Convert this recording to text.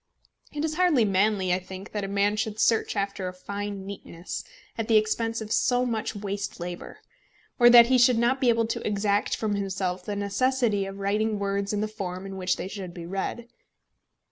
It is hardly manly, I think, that a man should search after a fine neatness at the expense of so much waste labour; or that he should not be able to exact from himself the necessity of writing words in the form in which they should be read.